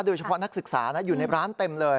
โดยเฉพาะนักศึกษาอยู่ในร้านเต็มเลย